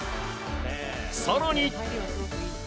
更に。